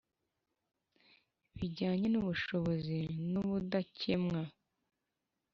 Bijyanye N Ubushobozi N Ubudakemwa